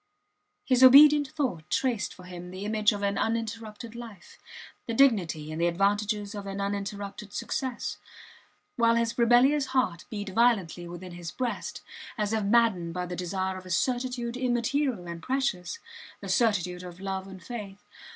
His obedient thought traced for him the image of an uninterrupted life, the dignity and the advantages of an uninterrupted success; while his rebellious heart beat violently within his breast, as if maddened by the desire of a certitude immaterial and precious the certitude of love and faith.